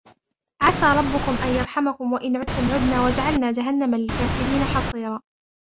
عَسَى رَبُّكُمْ أَنْ يَرْحَمَكُمْ وَإِنْ عُدْتُمْ عُدْنَا وَجَعَلْنَا جَهَنَّمَ لِلْكَافِرِينَ حَصِيرًا